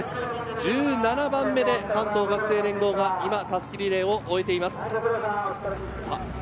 １７番目で関東学生連合が襷リレーを終えています。